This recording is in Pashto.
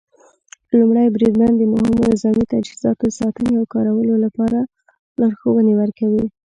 لومړی بریدمن د مهمو نظامي تجهیزاتو د ساتنې او کارولو لپاره لارښوونې ورکوي.